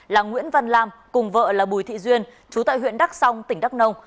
là nguyễn văn lam cùng vợ là bùi thị duyên chú tại huyện đắk song tỉnh đắk nông